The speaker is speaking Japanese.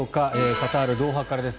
カタール・ドーハからです。